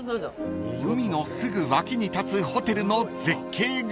［海のすぐ脇に立つホテルの絶景が］